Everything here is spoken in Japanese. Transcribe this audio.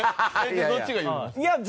どっちがいいの？